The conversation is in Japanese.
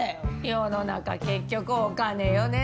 世の中結局お金よね。